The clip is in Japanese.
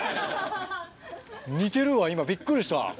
似てるわ今びっくりした。